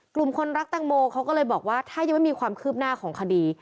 คนรักแตงโมเขาก็เลยบอกว่าถ้ายังไม่มีความคืบหน้าของคดี